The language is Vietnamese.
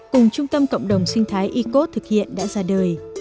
cùng trung tâm cộng đồng sinh thái ico thực hiện đã ra đời